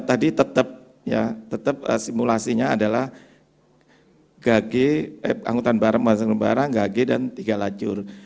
ini tadi tetap simulasinya adalah gage angkutan barang masang lembarang gage dan tiga lajur